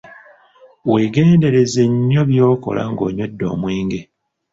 Weegendereze nnyo byokola ng'onywedde omwenge.